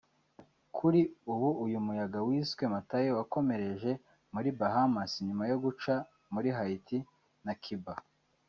Kuri ubu uyu muyaga wiswe Matayo wakomereje muri Bahamas nyuma yo guca muri Haiti na Cuba